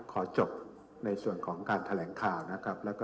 ขอจบในส่วนของการแถลงการ